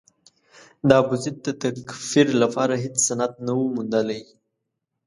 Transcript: د ابوزید د تکفیر لپاره هېڅ سند نه و موندلای.